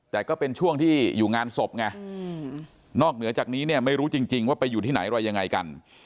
แต่ก็เป็นช่วงที่อยู่งานศพไงนอกเหนือจากนี้เนี่ยไม่รู้จริงว่าไปอยู่ที่ไหนอะไรยังไงกัน